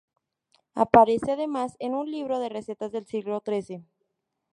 Aparece además en un libro de recetas del siglo trece.